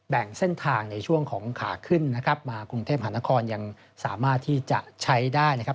เส้นทางในช่วงของขาขึ้นนะครับมากรุงเทพหานครยังสามารถที่จะใช้ได้นะครับ